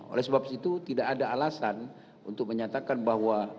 oleh sebab itu tidak ada alasan untuk menyatakan bahwa